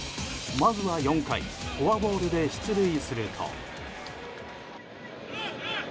まずは４回フォアボールで出塁すると。